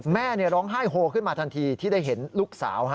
แม่ร้องไห้โฮขึ้นมาทันทีที่ได้เห็นลูกสาว